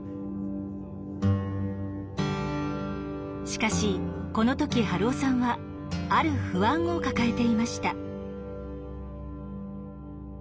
しかしこの時春雄さんはある不安を抱えていました。